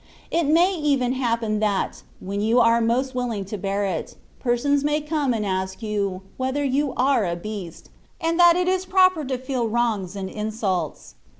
It may even happen that, when you are most willing to bear it, persons may come and ask you, whether you are a beast, and that it is proper to feel wrongs and insults.